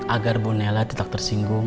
agar ibu nayla tidak tersinggung